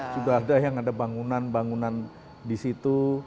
sudah ada yang ada bangunan bangunan di situ